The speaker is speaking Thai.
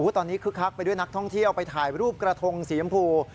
ตอนนี้คึกคักไปด้วยนักท่องเที่ยวไปถ่ายรูปกระทงสียำพู